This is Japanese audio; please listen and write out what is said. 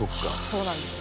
「そうなんです」